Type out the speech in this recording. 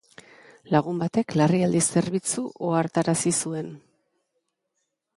Lagun batek larrialdi zerbitzu ohartarazi zuen.